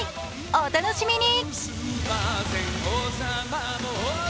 お楽しみに。